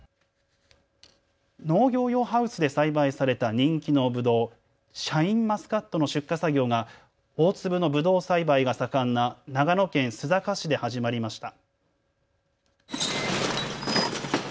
農業用ハウスで栽培された人気のぶどう、シャインマスカットの出荷作業が大粒のぶどう栽培が盛んな長野県須坂市で始まりました。